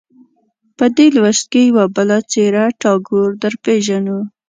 په دې لوست کې یوه بله څېره ټاګور درپېژنو.